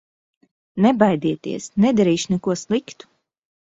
Nebaidieties, nedarīšu neko sliktu!